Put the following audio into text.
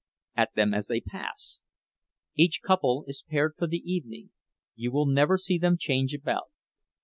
at them as they pass. Each couple is paired for the evening—you will never see them change about.